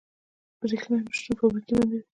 برښنا نشتون فابریکې بندوي.